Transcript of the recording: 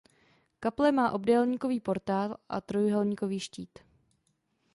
Kaple má obdélníkový portál a trojúhelníkový štít.